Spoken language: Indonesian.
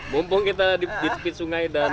mumpung kita di tepi sungai dan